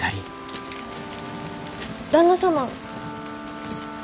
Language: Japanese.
旦那様。